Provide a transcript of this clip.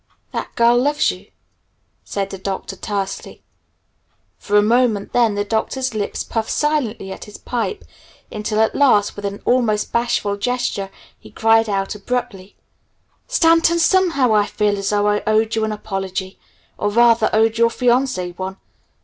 "That girl loves you," said the Doctor tersely. For a moment then the Doctor's lips puffed silently at his pipe, until at last with an almost bashful gesture, he cried out abruptly: "Stanton, somehow I feel as though I owed you an apology, or rather, owed your fiancée one.